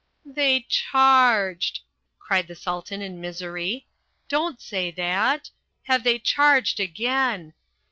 "They charged!" cried the Sultan in misery. "Don't say that! Have they charged again!